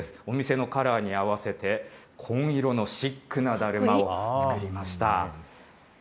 お店のカラーに合わせて、紺色のシックなだるまを作りました。